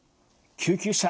「救急車！